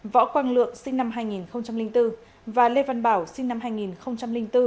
võ quang lượng sinh năm hai nghìn bốn và lê văn bảo sinh năm hai nghìn bốn